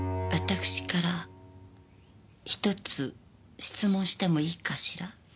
私から１つ質問してもいいかしら。